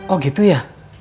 oh gitu ya